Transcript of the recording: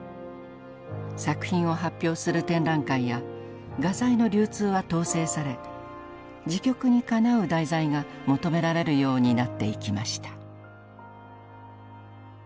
作品を発表する展覧会や画材の流通は統制され時局にかなう題材が求められるようになっていきました。